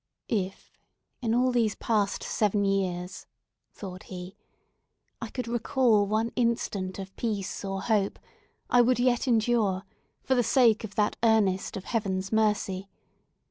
"If in all these past seven years," thought he, "I could recall one instant of peace or hope, I would yet endure, for the sake of that earnest of Heaven's mercy.